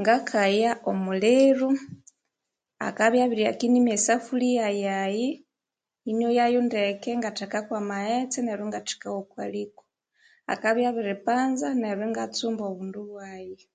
Ngakaya omuliru akabya abiryaka inimya esafuliya yayi inoyayu ndeke ingatekako amaghetse neryo ingatekagho koliko akabya abiripanza neryo ingatsumba obundu byaghi